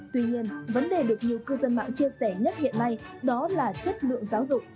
tuy nhiên vấn đề được nhiều cư dân mạng chia sẻ nhất hiện nay đó là chất lượng giáo dục